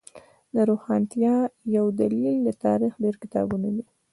د روښانتیا یو دلیل د تاریخ ډیر کتابونه دی